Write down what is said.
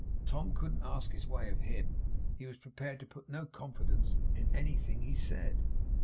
Tom couldn't ask his way of HIM. He was prepared to put no confidence in anything he said.